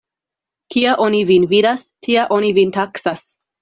Kia oni vin vidas, tia oni vin taksas.